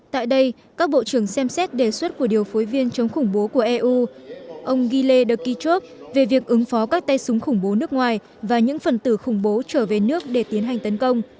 tại đây các bộ trưởng xem xét đề xuất của điều phối viên chống khủng bố của eu ông gilekitov về việc ứng phó các tay súng khủng bố nước ngoài và những phần tử khủng bố trở về nước để tiến hành tấn công